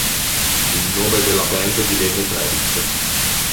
Il nome della band divenne Travis.